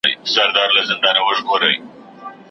د عقل لاري تر منزله رسېدلي نه دي